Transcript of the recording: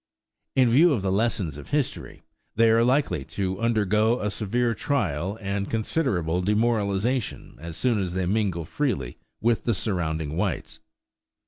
In view of the lessons of history, they are likely to undergo a severe trial and considerable demoralization as soon as they mingle freely with the surrounding whites.